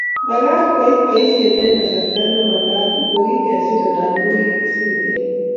Magat koit boisiet eng kasarta ne. Magat ngo kikiser anan ko kiserkei